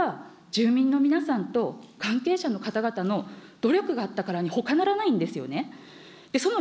それは、住民の皆さんと関係者の方々の努力があったからにほかならないんですよね。